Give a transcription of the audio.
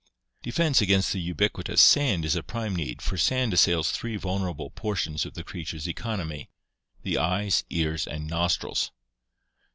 Defense against the ubiquitous sand is a prime need, for sand as sails three vulnerable portions of the creature's economy — the eyes, ears and nostrils.